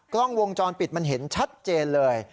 กล้องวงจรปิดมันเห็นชัดเจนเลย